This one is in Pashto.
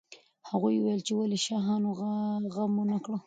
هغوی وویل چې ولې شاهانو غم ونه کړ.